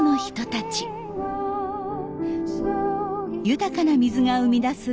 豊かな水が生み出す